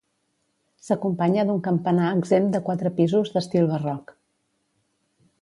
S'acompanya d'un campanar exempt de quatre pisos d'estil barroc.